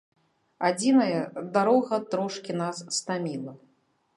Адзінае, дарога трошкі нас стаміла.